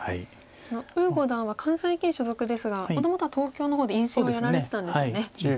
呉五段は関西棋院所属ですがもともとは東京の方で院生をやられてたんですよね。